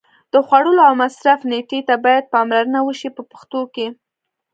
د خوړلو او مصرف نېټې ته باید پاملرنه وشي په پښتو کې.